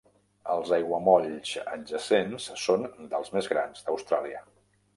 Els aiguamolls adjacents són dels més grans d'Austràlia.